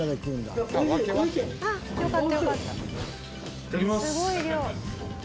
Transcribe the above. いただきます。